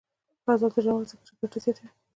آزاد تجارت مهم دی ځکه چې ګټه زیاتوي.